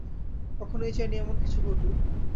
কখনোই চাইনি এমন কিছু ঘটুক।